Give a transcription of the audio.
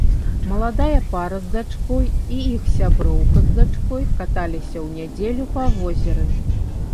Маладая пара з дачкой і іх сяброўка з дачкой каталіся ў нядзелю па возеры.